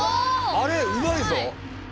あれうまいぞ。